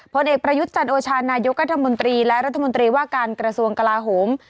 ผลเอกประยุทธ์จันโอชานายกรัฐมนตรีและรัฐมนตรีว่าการกระทรวงกลาโหม